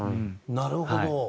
なるほど。